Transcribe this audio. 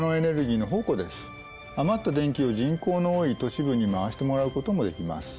余った電気を人口の多い都市部に回してもらうこともできます。